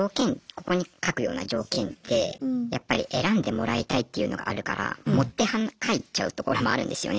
ここに書くような条件ってやっぱり選んでもらいたいっていうのがあるから盛って書いちゃうところもあるんですよね。